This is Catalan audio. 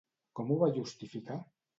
Com ho va justificar?